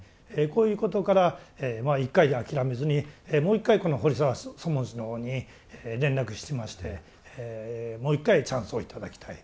こういうことから一回で諦めずにもう一回この堀澤祖門師のほうに連絡しましてもう一回チャンスを頂きたい。